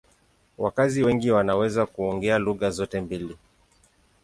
Wakazi wengi wanaweza kuongea lugha zote mbili.